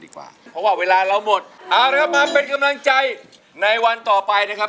ดีกว่าเพราะว่าเวลาเราหมดมาเป็นกำลังใจในวันต่อไปนะครับ